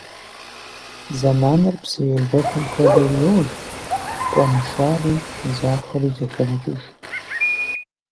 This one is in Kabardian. Заманыр псы ежэхым хуэдэу йож, къуэншари захуэри зэхегъэкӏыж.